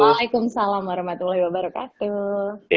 waalaikumsalam warahmatullahi wabarakatuh